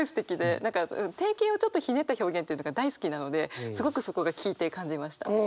何か定型をちょっとひねった表現というのが大好きなのですごくそこが聞いて感じました。